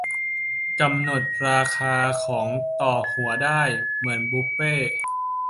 - กำหนดราคาขายต่อหัวได้ เหมือนบุฟเฟต์